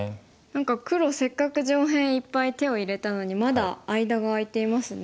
何か黒せっかく上辺いっぱい手を入れたのにまだ間が空いていますね。